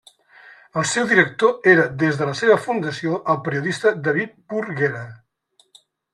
El seu director era des de la seva fundació el periodista David Burguera.